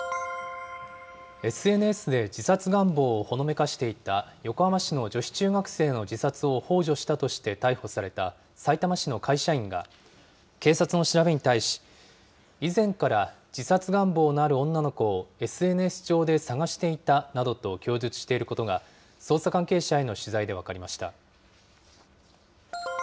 ＳＮＳで自殺願望をほのめかしていた横浜市の女子中学生の自殺をほう助したとして逮捕されたさいたま市の会社員が、警察の調べに対し、以前から自殺願望のある女の子をＳＮＳ上で探していたなどと供述していることが捜査関係者への取材で分かりました。